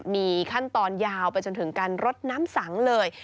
มีขั้นตอนยาวไปจนถึงการรดน้ำสังเลย